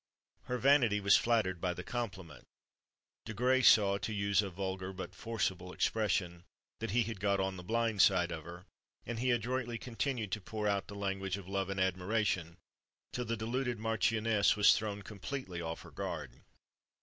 Her vanity was flattered by the compliment. Desgrais saw, to use a vulgar but forcible expression, "that he had got on the blind side of her;" and he adroitly continued to pour out the language of love and admiration till the deluded marchioness was thrown completely off her guard.